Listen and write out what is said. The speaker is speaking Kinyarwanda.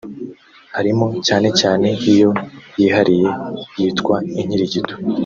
harimo cyane cyane iyo yihariye yitwa Inkirigito